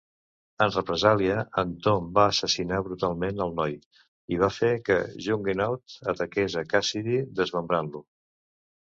En represàlia, en Tom va assassinar brutalment el noi, i va fer que Juggernaut ataqués a Cassidy, desmembrant-lo.